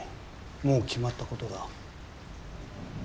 もう決まったことだ。